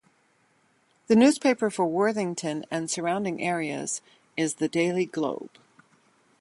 The newspaper for Worthington and surrounding areas is the Daily Globe.